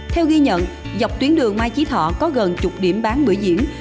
theo ghi nhận dọc tuyến đường mai chí thọ có gần chục điểm bán bữa diễn